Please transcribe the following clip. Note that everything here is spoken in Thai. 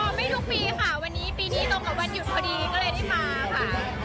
ไม่ทุกปีค่ะวันนี้ปีนี้ตรงกับวันหยุดพอดีก็เลยได้มาค่ะ